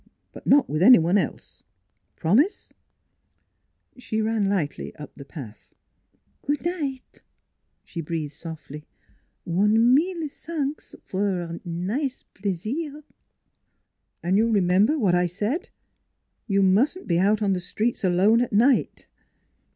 But not with any one else. ... Promise !" She ran lightly up the path. "Goo' night," she breathed softly; "one mille t'anks for such nize plaisir" "And you'll remember what I said? You must not be on the streets alone at night."